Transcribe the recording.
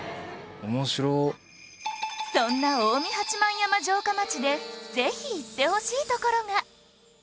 そんな近江八幡山城下町でぜひ行ってほしいところが